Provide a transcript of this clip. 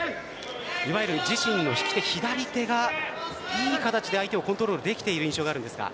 いわゆる自身の引き手、左手がいい形で相手をコントロールできている印象があるんですが。